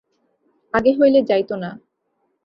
আগে হইলে যাইত না।